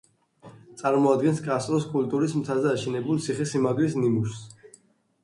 წარმოადგენს კასტროს კულტურის მთაზე აშენებული ციხე-სიმაგრის ნიმუშს.